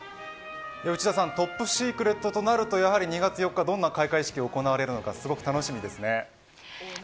内田さん、トップシークレットとなるとやはり２月４日どんな開会式となるのかすごく楽しみですね。